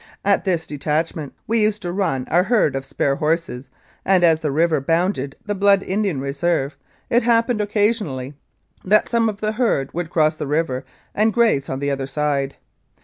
At this detachment we used to run our herd of spare horses, and as the river bounded the Blood Indian Reserve, it happened occasionally that some of the herd would cross the river and graze on the other side.